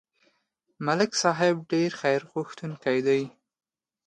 ملک صاحب ډېر خیرغوښتونکی دی.